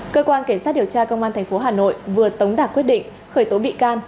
cơ quan cảnh sát điều tra công an tp hà nội vừa tống đạt quyết định khởi tố bị can